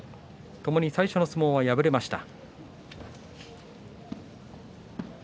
ともに最初の相撲は敗れました。